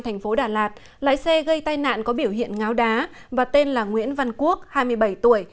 thành phố đà lạt lái xe gây tai nạn có biểu hiện ngáo đá và tên là nguyễn văn quốc hai mươi bảy tuổi